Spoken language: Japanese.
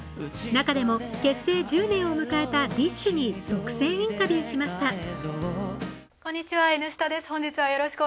中でも結成１０年を迎えたＤＩＳＨ／／に独占インタビューしました。